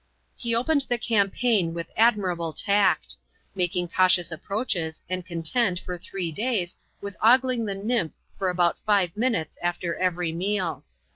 • He opened the campaign with admirable tact : making cautious approaches, and content, for three days, with ogling the nymph for about five minutes after every meal.